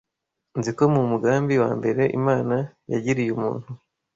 nziko mu mugambi wa mbere Imana yagiriye umuntu